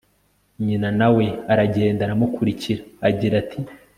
nyina na we aragenda aramukurikira agira ati